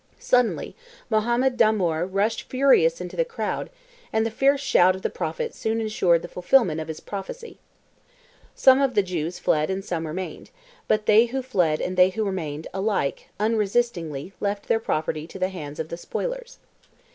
Suddenly Mohammed Damoor rushed furious into the crowd, and the fierce shout of the prophet soon ensured the fulfilment of his prophecy. Some of the Jews fled and some remained, but they who fled and they who remained, alike, and unresistingly, left their property to the hands of the spoilers.